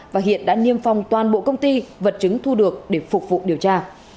và hiện đã niêm phong toàn bộ công ty vật chứng thu được để phục vụ điều tra